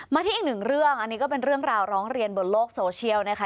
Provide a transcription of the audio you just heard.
ที่อีกหนึ่งเรื่องอันนี้ก็เป็นเรื่องราวร้องเรียนบนโลกโซเชียลนะคะ